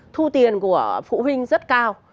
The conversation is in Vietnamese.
thu tiền của phụ huynh rất cao